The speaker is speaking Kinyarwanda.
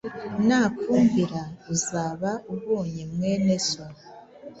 nakumvira, uzaba ubonye mwene so.